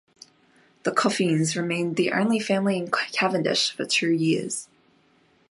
The Coffeens remained the only family in Cavendish for two years.